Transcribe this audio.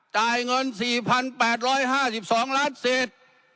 จ่ายเงิน๔๘๕๒ล้านเศษ